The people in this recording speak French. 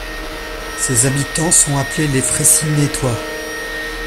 Ses habitants sont appelés les Frayssinetois.